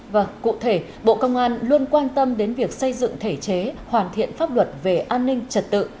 và cụ thể bộ công an luôn quan tâm đến việc xây dựng thể chế hoàn thiện pháp luật về an ninh trật tự